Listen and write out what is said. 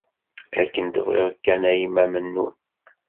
Akken tebɣiḍ kan a yemma Mennun.